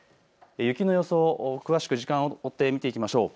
雪の予想を詳しく時間を追って見ていきましょう。